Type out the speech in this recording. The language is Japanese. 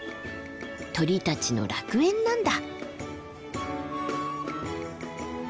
鳥たちの楽園なんだ。